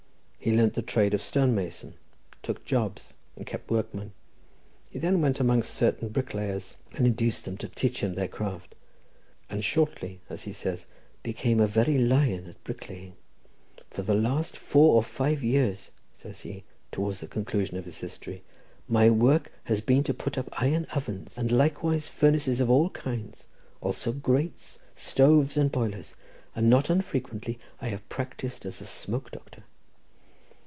He learnt the trade of stonemason, took jobs, and kept workmen. He then went amongst certain bricklayers, and induced them to teach him their craft; "and shortly," as he says, "became a very lion at bricklaying. For the last four or five years," says he, towards the conclusion of his history, "my work has been to put up iron ovens, and likewise furnaces of all kinds, also grates, stoves and boilers, and not unfrequently I have practised as a smoke doctor."